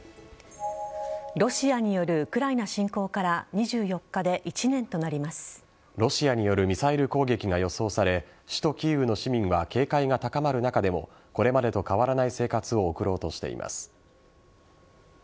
ロシアによるウクライナ侵攻からロシアによるミサイル攻撃が予想され首都・キーウの市民は警戒が高まる中でもこれまでと変わらない生活を送ろうとしています。